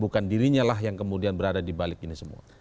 bukan dirinya lah yang kemudian berada dibalik ini semua